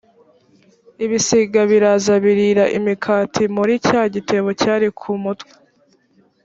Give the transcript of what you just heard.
ibisiga biraza birira imikati muri cya gitebo cyari ku mutwe